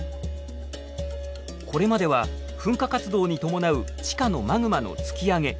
これまでは噴火活動に伴う地下のマグマの突き上げ